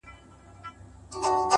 ما د دريم ژوند وه اروا ته سجده وکړه!!